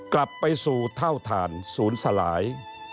กลับไปสู่เท่าฐานศูนย์สลาย